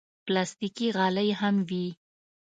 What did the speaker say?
پلاستيکي غالۍ هم وي.